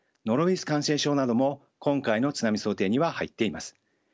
ノロウイルス感染症なども今回の津波想定には入っています。